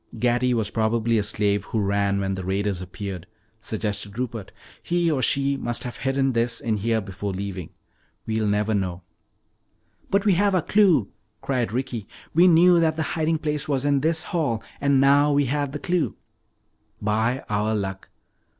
"Gatty was probably a slave who ran when the raiders appeared," suggested Rupert. "He or she must have hidden this in here before leaving. We'll never know." "But we've got our clue!" cried Ricky. "We knew that the hiding place was in this hall, and now we have the clue." "'By our Luck.'"